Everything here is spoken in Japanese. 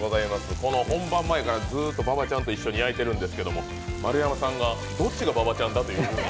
この本番前からずっと馬場ちゃんと一緒に焼いてるんですけど丸山さんが、どっちが馬場ちゃんだ？というふうに。